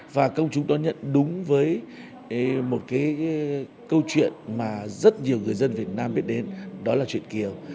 và công chúng đón nhận đúng với một cái câu chuyện mà rất nhiều người dân việt nam biết đến đó là chuyện kiều